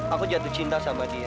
aku jatuh cinta sama dia